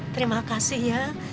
terima kasih ya